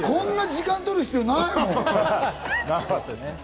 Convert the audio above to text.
こんな時間取る必要ないもん。